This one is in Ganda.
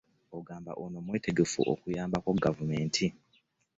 Ono agamba mwetegefu okuyambako gavumenti.